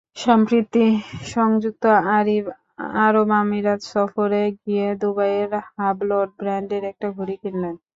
সম্প্রতি সংযুক্ত আরব আমিরাত সফরে গিয়ে দুবাইয়ে হাবলট ব্র্যান্ডের একটা ঘড়ি কিনলেন।